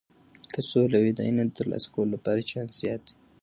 که سوله وي، د علم د ترلاسه کولو لپاره چانس زیات دی.